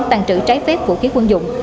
tàn trự trái phép vũ khí quân dụng